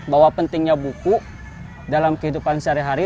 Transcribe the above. bahwa pentingnya buku dalam kehidupan sehari hari